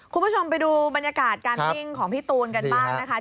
คุณผู้ชมไปดูบรรยากาศการวิ่งของพี่ตูนกันบ้างนะคะ